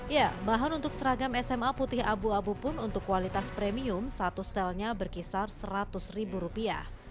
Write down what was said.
ya bahan untuk seragam sma putih abu abu pun untuk kualitas premium satu setelnya berkisar seratus ribu rupiah